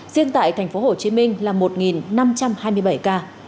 riêng tại thành phố hồ chí minh là một năm trăm hai mươi bảy ca